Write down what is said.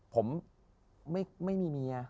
ผมไม่มีเมีย